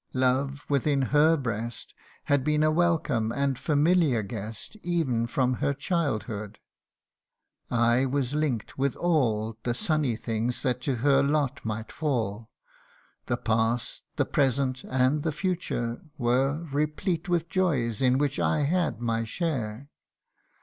Love, within her breast, Had been a welcome and familiar guest Ev'n from her childhood : I was link'd with all The sunny things that to her lot might fall ; The past the present and the future, were Replete with joys in which I had my share.